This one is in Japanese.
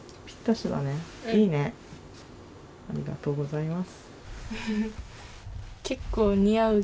ありがとうございます。